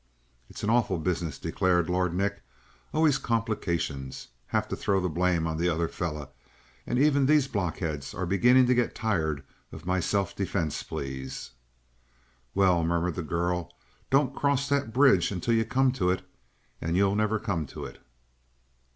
"It's an awful business," declared Lord Nick. "Always complications; have to throw the blame on the other fellow. And even these blockheads are beginning to get tired of my self defense pleas." "Well," murmured the girl, "don't cross that bridge until you come to it; and you'll never come to it."